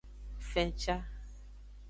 Fenca.